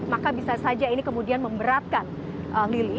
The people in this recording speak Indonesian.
maka bisa saja ini kemudian memberatkan lili